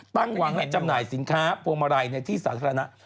หวังให้จำหน่ายสินค้าพวงมาลัยในที่สาธารณะ